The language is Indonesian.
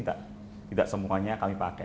tidak tidak semuanya kami pakai